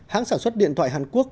hãng sản xuất điện thoại hàn quốc